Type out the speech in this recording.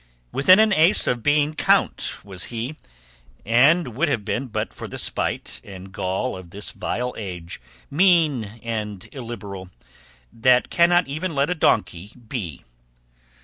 Within an ace of being Count was he, And would have been but for the spite and gall Of this vile age, mean and illiberal, That cannot even let a donkey be.